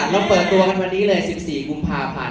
เราเปิดตัวกันวันนี้เลย๑๔กุมภาพันธ์